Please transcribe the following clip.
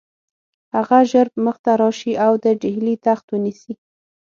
هغه ژر مخته راشي او د ډهلي تخت ونیسي.